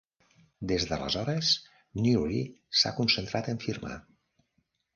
Des d'aleshores Neary s'ha concentrat en firmar.